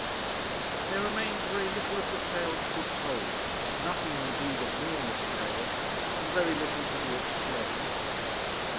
There remains very little of the tale to be told nothing, indeed, of Nina's tale and very little to be explained.